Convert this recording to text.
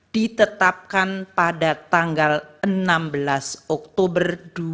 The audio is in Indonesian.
ditetapkan pada tanggal enam belas oktober dua ribu dua puluh